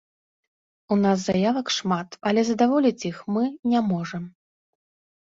У нас заявак шмат, але задаволіць іх мы не можам.